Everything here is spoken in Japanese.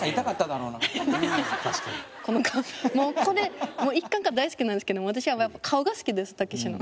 この顔もうこれ１巻から大好きなんですけども私はやっぱ顔が好きですたけしの。